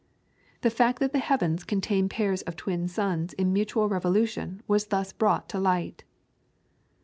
The fact that the heavens contain pairs of twin suns in mutual revolution was thus brought to light.